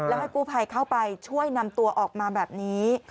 แล้วให้กู้ภัยเข้าไปช่วยนำตัวออกมาแบบนี้